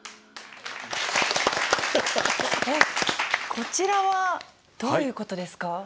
こちらはどういうことですか？